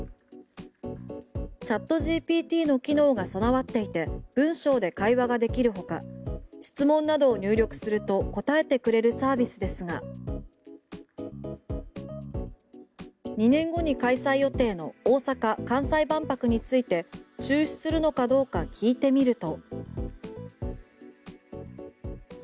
チャットＧＰＴの機能が備わっていて文章で会話ができるほか質問などを入力すると答えてくれるサービスですが２年後に開催予定の大阪・関西万博について中止するのかどうか聞いてみると。